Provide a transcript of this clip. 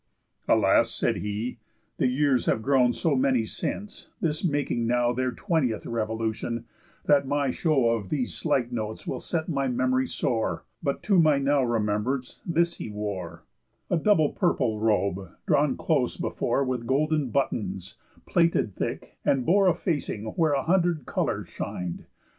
"Alas," said he, "the years Have grown so many since—this making now Their twentieth revolution—that my show Of these slight notes will set my memory sore, But, to my now remembrance, this he wore: A double purple robe, drawn close before With golden buttons, plaited thick, and bore A facing where a hundred colours shin'd.